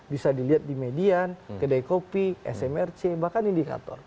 bisa dilihat di median kedai kopi smrc bahkan indikator